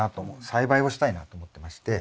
栽培をしたいなと思ってまして。